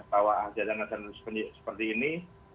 bahwa hajat dan hadulat seperti ini